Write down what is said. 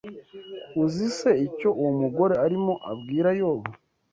Uzi se icyo uwo mugore arimo abwira Yobu